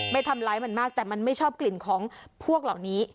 ไม่ทำร้ายมันมากแต่มันไม่ชอบกลิ่นของพวกเหล่านี้